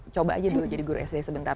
coba aja dulu jadi guru sd sebentar